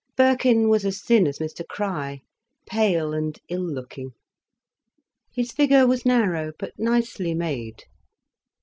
Birkin was as thin as Mr Crich, pale and ill looking. His figure was narrow but nicely made.